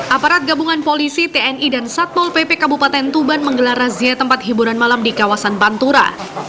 aparat gabungan polisi tni dan satpol pp kabupaten tuban menggelar razia tempat hiburan malam di kawasan pantura